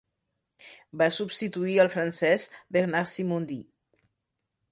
Va substituir el francès Bernard Simondi.